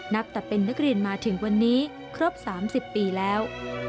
นับแต่เป็นนักเรียนมาถึงวันนี้ครบ๓๐ปีแล้ว